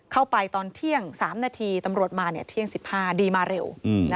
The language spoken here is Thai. เข้าไปตอนเที่ยง๓นาทีตำรวจมาเที่ยง๑๕นาทีดีมาเร็ว